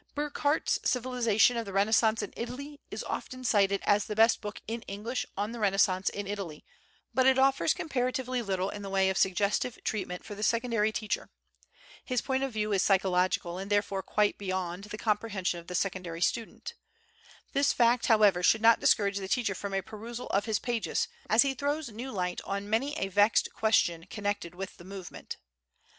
Burckhardt's "Civilisation of the Renaissance in Italy" is often cited as the best book in English on the Renaissance in Italy, but it offers comparatively little in the way of suggestive treatment for the secondary teacher. His point of view is psychological and therefore quite beyond the comprehension of the secondary student. This fact, however, should not discourage the teacher from a perusal of his pages, as he throws new light on many a vexed question connected with the movement.